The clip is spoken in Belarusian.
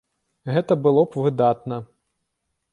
Гэта было б выдатна.